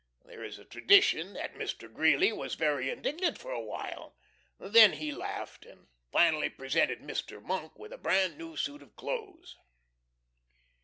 There is a tradition that Mr. Greeley was very indignant for a while; then he laughed, and finally presented Mr. Monk with a brand new suit of clothes.